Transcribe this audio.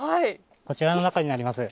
こちらの中になります。